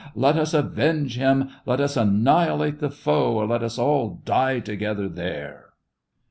Let us avenge him! Let us annihilate the foe, or let us all die together there